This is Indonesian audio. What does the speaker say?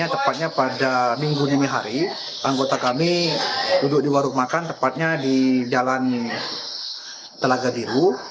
tepatnya pada minggu dini hari anggota kami duduk di warung makan tepatnya di jalan telaga biru